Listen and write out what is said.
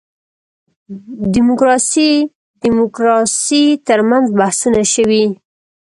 دیموکراسي دیموکراسي تر منځ بحثونه شوي.